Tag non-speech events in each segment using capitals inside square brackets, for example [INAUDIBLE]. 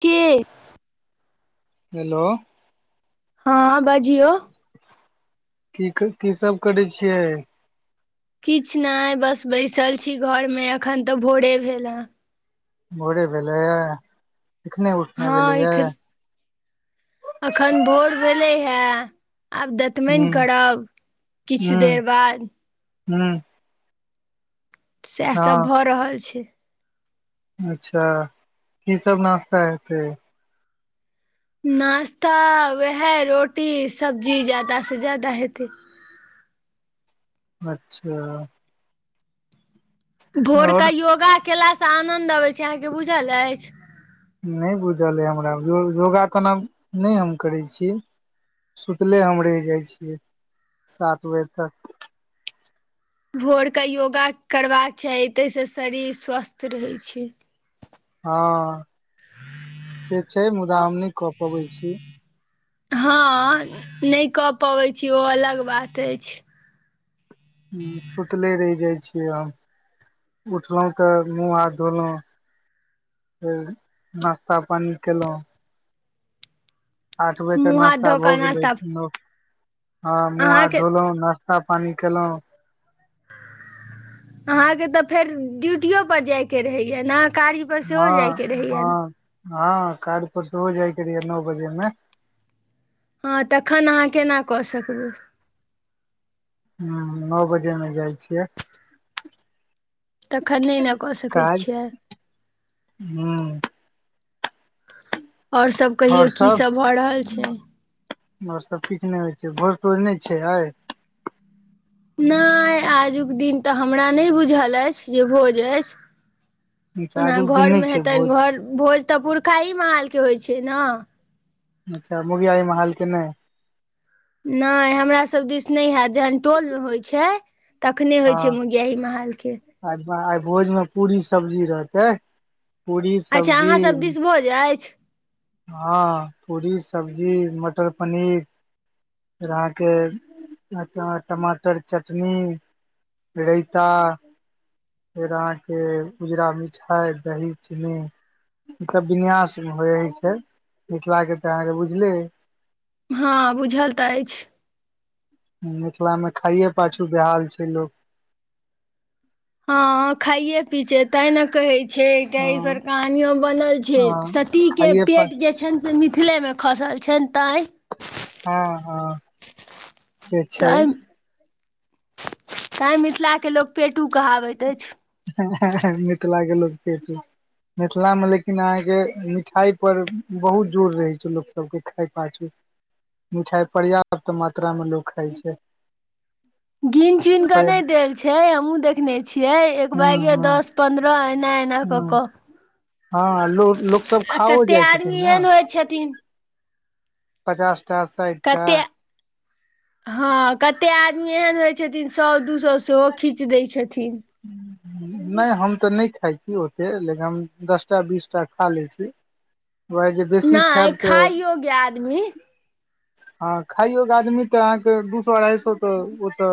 के हेलो हँ बाजियौ की की सब करै छियै किछु नहि बस बैसल छी घरमे अखन तऽ भोरे भेल हँ भोरे भेले ये एखने उठनाय भेलै हँ ये एखन अखन भोर भेलै हे आब तमै हूँ न करब हूँ किछु देर बाद हूँ सएह सभ हँ भऽ रहल छै अच्छा की सब नाश्ता हेतै नाश्ता वएह रोटी सब्जी जाय सँ ज्यादा हेतै अच्छा भोरक आओर योगा केलासँ आनन्द अबैत छै अहाँके बुझल अएछ नहि बुझल यै हमरा योगा तना नहि हम करै छीय सुतले हम रएहि जाइ छियै सात बजे तक भोरक योगा करबाक चाही ताहिसँ शरीर स्वस्थ रहै छै हँ से छै मुदा हम नहि कऽ पबै छी हँ नहि कऽ पबैत छी ओ अलग बात अछि हं सुतले रहि जाइ छियै हम उठलहुँ तऽ मुँह हाथ धोलौ फेर नाश्ता पानी केलौ आठ बजे तक मुँह हाथ नाश्ता धो भ कऽ गेल नास्ता रहैछै नौ हं मुंह अहाँके हाथ धोलहुं नाश्त न्ता पानी केलहुँ अहाँके तऽ फेर ड्यूटियो पर जायके रहैया ने कार्य पर सेहो जायके रहैया ने हाँ कार्ज पर से हो जाइके रहै या नौ बजे मे हँ तखन अहाँ केना कऽ सकबै ह नओ बजे मे जाइ छियै तखन नहि ने कऽ सकैत काज छियै ह और सब कहियौ की सब भऽ रहल छै और सब किछु नहि होइ छै भोज तोज नहि छै आइ नहि आजुक दिन तऽ हमरा नहि बुझल अछि जे भोज अछि अच्छा ओना आजुक दिन घर नहि मे छै हेतैन भोज घर भोज तऽ पुरखा ही माहाल के होइ छै न अच्छा मोगयाही महौल के नहि नहि हमरा सभ दिस नहि हैत जहन टोल होइत छै तखने होइ छै मुगयाही महालके आ आइ भोजमे पूरी सब्जी रहतै पूरी अच्छा सब्जी अहाँ सब दिस भोज अछि हँ पूरी सब्जी मटर पनीर फेर अहाँके अइत आं टमाटर चटनी रइता फेर अहाँ के उजरा मिठाई दही चीनी मतलब विन्यास होयइ छै मिथिला के तऽ अहाँके बुझलेयै हाँ बुझल तऽ अछि मिथिला मे खाइये पाछू बेहाल छै लोक हँ खाइे पी छ तें न कहे छै छै त ई पर हँ कहानियो बनल छै हँ सती के खाइये पर पेट जे छनि जे मिथिलेमे खसैल छनि तैँ हाँ हाँ त ता मिथिला के लोक पेटू कहाबैत अछि मिथिला के लोक पेटू मिथिलामे लेकिन अहाँके मिठाइ पर बहुत जोर रहैत छै लोकसभके खाय पाछू मिठाई पर्याप्त मात्रा मे लोक खाइ छै गिन चुन क नहि देल छै हमहुं देखने छियै ह एक बैगे ह दस पंद्रह एना ए न क ह कऽ हँ लोक लोकसभ आ खाओ कते जाइ छथिन आदमी न एहन होइ छथिन पचास टा साठि टा कते हँ कते आदमी एहन होइ छथिन सौ दू सौ सेहो खीच दै छथिन नहि हम तऽ नहि खाइ छी ओते लेकिन हम दसटा बीसटा खा लै छी दुआरे जे बेसी नहि खैब तऽ खाइ योग्य आदमी हँ खाइयोग आदमी तऽ अहाँके दू सौ अढ़ाइ सौ तऽ ओतऽ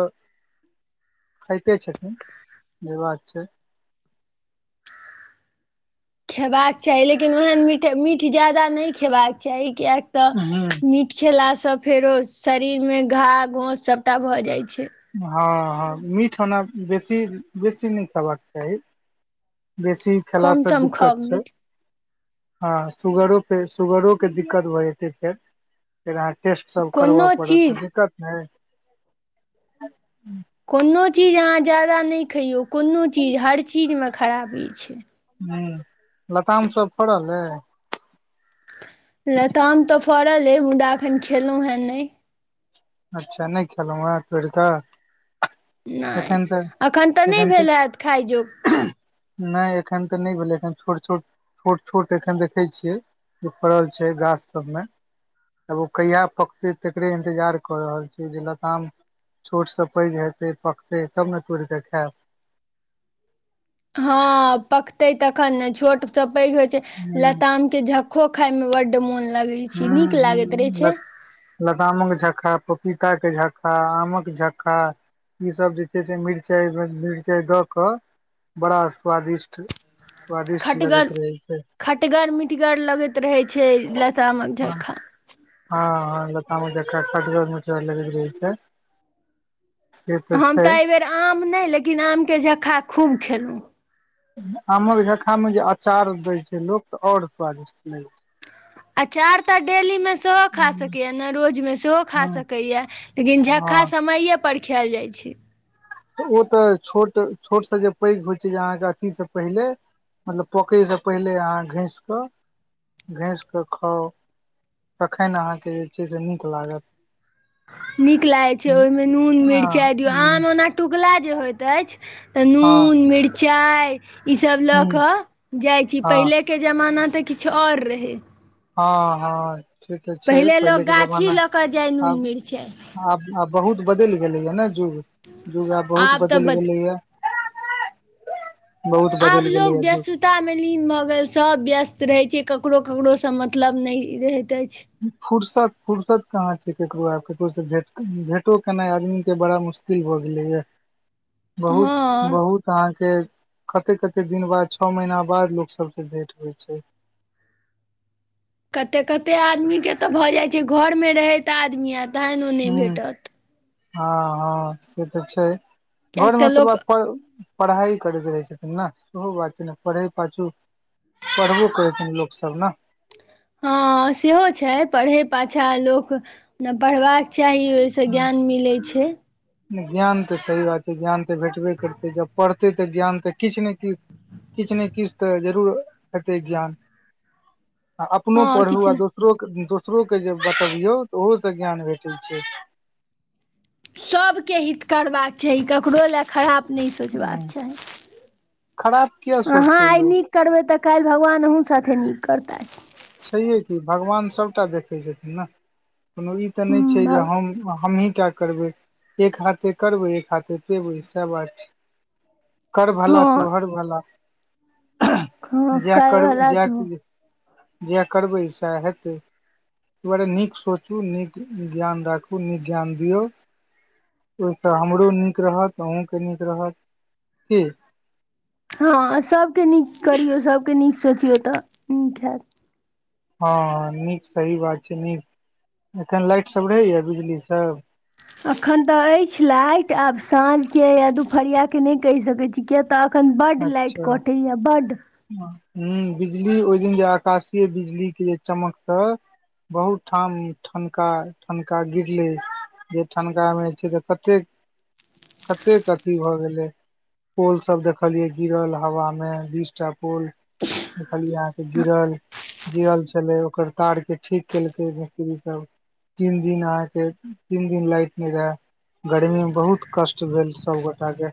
खाइते छथिन जे बात छै खेबाक चाही लेकिन ओहन मीठ मीठ ज्यादा नहि खेबाक चाही किएक तऽ हँ मीठ मीठ खेला सँ फेरो शरीर मे घा घोस सभटा भऽ जाइ छै हँ हँ मीठ ओना बेसी बेसी नहि खयबाक चाही बेसी कम खेलासँ सम खाउ दिक्कत छै मीठ हँ सुुगरोेपे सुगरोके दिक्कत भऽ जेतै फेर फेर अहां टेस्ट सब करबऽ कोनो पड़त तऽ चीज दिक्कत नै कोनो चीज अहाँ ज्यादा नहि खैइयौ कोनो चीज हर चीजमे खराबी छै ह्म लताम सब फड़ल अइ लताम तऽ फड़ल अइ मुदा एखन खेलहुँ हें नहि अच्छा नहि खेलहुँं हें तोड़िकऽ नहि अखन तऽ नहि भेल हैत खाइ जोग नहि एखन तऽ नहि भेलै एखन छोट छोट छोट छोट एखन देखै छियै जे फड़ल छै गाछ सब मे आब ओ कहिया पकतै तेकरे इन्तजार कऽ रहल छियै जे लताम छोटसँ पैघ हेतै पकतै तब ने तोड़ि कऽ खैब हँ पकतै तखन ने छोट सँ पैघ होइ छै लताम आम के झक्खो खाय मे बड्ड मोन लगैत छै नीक लागैत रहै छै ह लतामक झक्का पपीता के झक्का आमक झक्का ई सभ जेते छै से मिरचाइ मिरचाइ दऽ कऽ बड़ा स्वादिष्ट स्वादिष्ट खटगर लगैत रहै छै खटगर मिटगर लगैत रहै छै लतामक झक्खा हँ हँ लतामक झक्खा खटगर मिठगर लगैत रहै छै से हम छै तऽ एहिबेर आम नहि लेकिन आमके झक्खा खूब खेलहुँ आमक झक्खामे जे अचार दै छै लोक तऽ आओर स्वादिष्ट लगै छै अँचार तऽ डेली मे सेहो खा सकैए ने रोज मे सेहो छै खा हँ सकैए लेकिन झक्का हँ समैये पर खैल जाइत छै तऽ ओ तऽ छोट छोटसँ जे पैघ होइ छै जे अहाँके अथीसँ पहिले मतलब पोकै से पहिले अहाँ घसि कऽ धैंसि के खाउ तखैन अहाँके जे छै से नीक लागत नीक लागैत छै हँ ओहिमे नून ह मिरचाइ हँ दियौ आम ओना टिकुला जे होइत अछि तऽ हँ मिरचाय ई सब लऽ कऽ जाय छी पहिले के जमाना तऽ किछु आओर रहै हँ हँ से तऽ छै पहिले लोक पहिलेके गाछी जमाना लऽ कऽ जाइ नून आब मिरचाइ आब आब बहुत बदलि गेलैया ने जुग जुग आब बहुत तऽ बदलि बद गेलैये आब बदलि लोग गेलैया युग बेसी तामे लीन भऽ गेल सभ व्यस्त रहै छै ककरो ककरोसँ मतलब नहि रहैत अछि फुर्सत फर्सत कहाँ छै केकरो आब केकरो सेे भेटों केनाइ आदमी के बड़ा मुश्किल किल भऽ गेलैए [INAUDIBLE] बहुत हँ बहुत त अहाँ के कते कते दिन बाद छौ महीना बाद लोक सब से भेंट होइ छै कतेक कतेक आदमीके तऽ भऽ जाइत छै घरमे रहैत आदमी आ तखन ओ नहि हूँ भेटत हँ हँ से तऽ छै किएक घरमे तऽ तिलुआ लोक पर पढ़ाई करैत रहै छथिन ने ओहो बात छै ने पढ़ै पाछू पढ़बो करै छथिन लोक सब न हँ सेहो छै पढ़े पाछा लोक ने पढ़बाक चाही ओ से ज्ञान मिलै छै ज्ञान तऽ सही बात छै ज्ञान तऽ भेटबे करतै ज पढ़ तै तऽ ज्ञान तऽ किछ ने कि किछ ने किछ तऽ जरूर हेतै ज्ञान आ अपनो हँ पढ़ू किछु आ ने दोसरो कऽ दोसरो के जे बतबियौ तऽ ओहो सँ ज्ञान भेटैत छै सभके हित करबाक छै ककरो लए खराब नहि सोचबाक ह चाही खराब किया आहाँ सोचतै आइ लोग निक करबै तऽ काल्हि भगवान अहूँ साथे नीक करतथि छैहे कि भगवान सभटा देखै छथिन ने कोनो ई त नहि छै हूँ भाउ जे हम हमही टा करबै एक हाथे करबै एक हाथे पेबै सेह बात छै कर भला तो हँ हर भला हँ जा काल्हि कर भला ज तू जएह करबै सएह हेतै एहि दुआरे नीक सोचु नीक ज्ञान राखु नीक ज्ञान दियऔ ओहिसँ हमरो नीक रहत अहहुॅंके नीक रहत की हँ सभके नीक करियौ सभके नीक सोचियौ तऽ नीक हेत हँ नीक सही बात छै नीक एखन लाइट सब रहैया बिजली सब अखन तऽ अछि लाइट आब साँझके या दुपहरिया नहि कहि सकैत छी किय तऽ अखन बड लाइट अच्छा कटैया बड ह बिजली ओहि दिन जे आकाशीय बिजली के चमकसँ बहुत ठाम ठनका ठनका गिरलै जे ठनकामे छै तऽ कतेक कतेक अथी भऽ गेलै पोल सब देख देखलियै गिरल हवा मे बीसटा पोल देखलियए अहाँ के गिरल गीरल छलै ओकर तार के ठीक केलकै मिस्त्री सब तीन दिन अहाँके तीन दिन लाइट नहि रहे गर्मी में बहुत कष्ट भेल सब गोटा के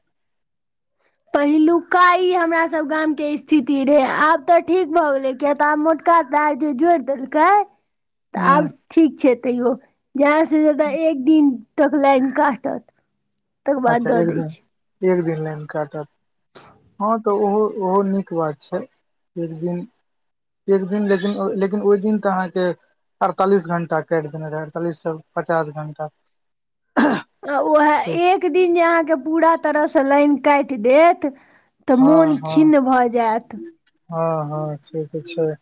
पहिलुका ई हमरा सब गामके स्थिति रहै आब तऽ ठीक भऽ गेलै किया तऽ आब मोट का तार जे जोड़ि देलकै तऽ ह आब ठीक छै तैयो जादा स जादा एक दिन तक लाइन काटत तकर बाद अच्छा दऽ एक दै छै दिन एक दिन लाइन काटत हँ तऽ ओहो ओहो नीक बात छै एक दिन एक दिन लेकिन लेकिन ओहि दिन तऽ अहाँके अड़तालीस घंटा कटि देने रहै अड़तालीससँ पचास घण्टा आ उहे एक दिन जे अहाँके पूरा तरहस लाइन काटि देत तऽ हँ मोन हँ खिन्न भऽ जायत हँ हँ से त छै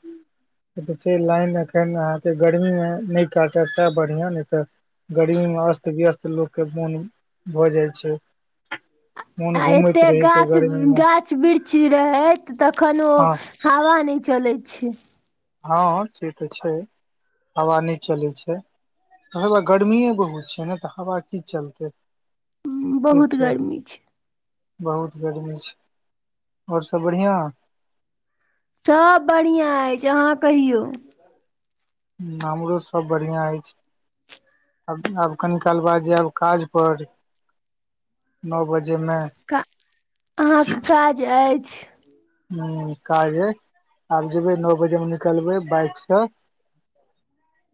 से तऽ छै लाइन एखन अहाँके गर्मी मे नहि काटत सेह बढ़िआँ नहि तऽ गर्मी मे अस्त व्यस्त लोक के मन भऽ जाइ छै आ मोन घूमैत एते रहै छै गाछ गर्मी मे गाछ वृक्षी रहैत तखन ओ हँ हावा नहि चलैत छै हँ से तऽ छै हवा नहि चलै छै तऽ हे बए गर्मीए बहुत छै ने तऽ हवा की चलतै ह ठीक बहुत छै गर्मी छै बहुत गरमी छै और सब बढ़िआँ सब बढ़िआँ अहि अहाँ कहियौ हमरो सब बढ़िया अछि आब कनी काल बाद जायब काज पर नअ बजेमे क अहाँके काज अछि हु काज आब जेबै नओ बजे मे निकलबै बाइक से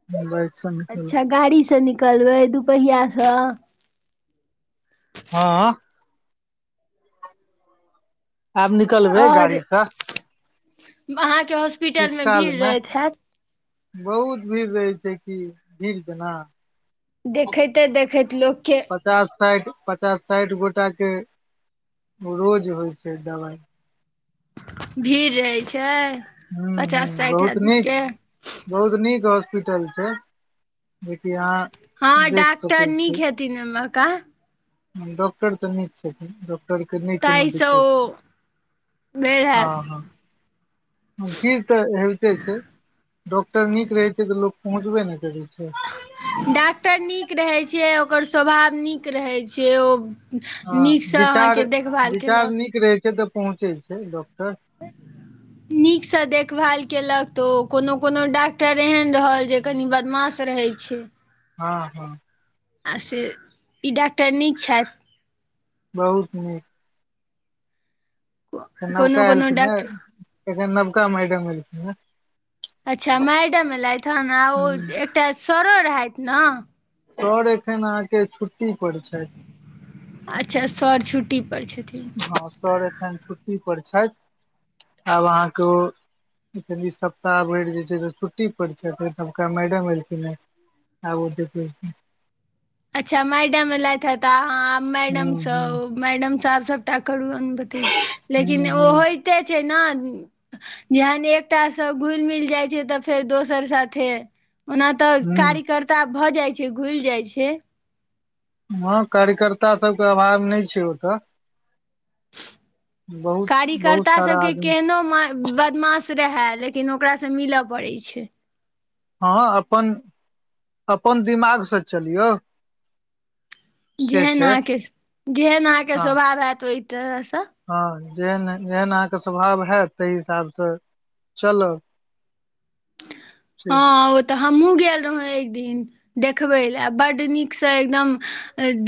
[INAUDIBLE] अच्छ गाड़ीसँ निकलबै दुपहियासँ हँ आब निकलबे आओर गाड़ी स [INAUDIBLE] किछु काल भीड़ मे रहैत हैत [UNINTELLIGIBLE] बहुत भीड़ रहै छै कि भीड़ जेना देखैते दखैत लोकके पचास साईठ पचास साईठ गोटाके रोज होइ छै दबाइ भीड़ रहे छै हु हु पचास साठि बहुत आदमी नीक के बहुत नीक हॉस्पिटल छै जेकि आहाँ हँ डॉक्टर नीक हेथिन ओइमहका डॉक्टर तऽ नीक छथिन डॉक्टर तइ क न कोनो ताहिसँ दिक्कत छै ओ भेल [UNINTELLIGIBLE] हँ हैत ह की तऽ छोइते छै डॉक्टर नीक रहै छै तऽ लोक पहुँचबे न करै छै डाक्टर नीक रहे छै ओकर स्वभाव नीक रहे छै ओ हँ नीकसँ विचार अहाँके देखभाल विचार केलक नीक रहै छै तऽ पहुँचै छै डॉक्टर नीकसँ देखभाल केलक तऽ कोनो कोनो डॉक्टर एहन रहल जे कनि बदमाश रहै छै हँ हँ आ से ई डॉक्टर नीक छैथ बहुत नीक त छथि नबका कोनो कोनो एलखिन ह डॉक्टर ऐखन नवका मैडम एलखिन ह अच्छ मैडम एलाथ ह आ ओ एकटा सरो रहैथ ने सर एखन अहाँके छुट्टी पर छैथ अच्छ सर छुट्टी पर छथिन हँ सर एखन छुट्टी पर छैथ आब अहाँके ओ ई सप्ताह भरि जे छै से छुट्टी पर छैथ ओपरकामैडम एलखिन ह आ ओ [UNINTELLIGIBLE] अच्छ मैडम एलैथ ह त अहाँ मैडम हूँ स हूँ ओ मैडम साहब सभटा [UNINTELLIGIBLE] करू बते लेकिन हूँ ओ हूँ होइते छै ने जेहन एकटा स घुलि मिल जाइ छै तऽ फेर दोसर साथे ओना तऽ हूँ कार्यकर्ता भऽ जाइ है घुल जाइ छै हँ कार्यकर्ता सबके अभाव न छै ओतऽ बहुत बहुत कार्यकर्ता स सारा सभके आदमी केहनो बदमाश रहै लेकिन ओकरासँ मिलऽ पड़ैत छै हँ अपन अपन दिमाग से चलियौ से जेहन छै अहाँके जेहन अहाँके हँ स्वभाव होयत ओहि तरह स हँ जेहन जेहन अहाँके स्वभाव हैत ताहि हिसाबस चलब से हँ ओ तऽ हमहूँ गेल रहो एक दिन देखबै लेल आ बड़ नीकसँ एकदम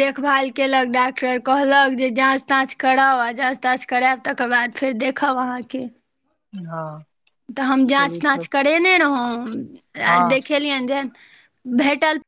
देखभाल कयलक डॉक्टर कहलक जे जाँच जाँच कराउ आ जाँच ताँच करायब तेकर बाद फेर देखब अहाँके हँ तऽ हम चलू तऽ जाँच-ताँच करेने रहौँ आ हँ देखेलियनि जेहेन भेटल